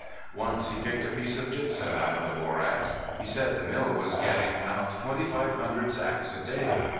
Once he picked a piece of gypsum out of the borax. He said the mill was getting out twenty five hundred sacks a day.